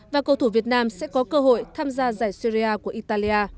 và cầu thủ việt nam sẽ có cơ hội tham gia giải syria của italia